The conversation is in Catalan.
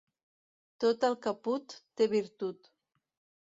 Tot el que put té virtut.